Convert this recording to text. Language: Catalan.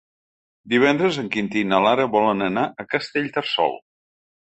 Divendres en Quintí i na Lara volen anar a Castellterçol.